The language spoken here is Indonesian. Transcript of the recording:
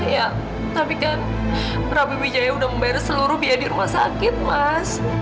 ya tapi kan prabu wijaya sudah membayar seluruh biaya di rumah sakit mas